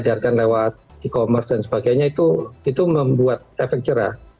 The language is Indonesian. biarkan lewat e commerce dan sebagainya itu membuat efek cerah